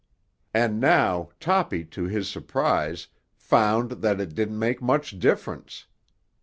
And now Toppy to his surprise found that it didn't make much difference.